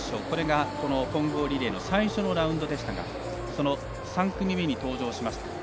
これがこの混合リレーの最初のラウンドでしたが３組目に登場しました。